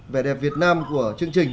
vẻ đẹp việt nam của chương trình